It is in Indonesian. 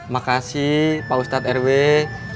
makasih pak ustadz erwes